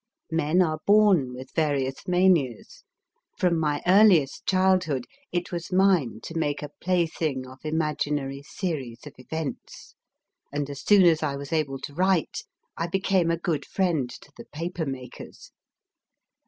Men are born with various manias : from my earliest childhood, it was mine to make a plaything of imaginary series of events ; and as soon as I was able to write, I became a good friend to the paper makers.